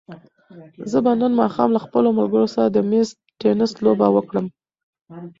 زه به نن ماښام له خپلو ملګرو سره د مېز تېنس لوبه وکړم.